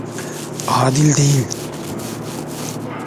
Adil değil!